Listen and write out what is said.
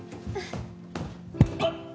あっ！